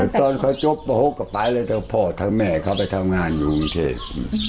ตอนเขาจบประหกกลับไปเลยพ่อทั้งแม่เขาไปทำงานอยู่วงเทศ